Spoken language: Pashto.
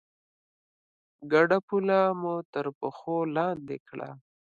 ګډه پوله مو تر پښو لاندې کړه.